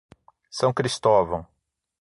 São Cristóvão